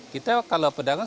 kita kalau pedagang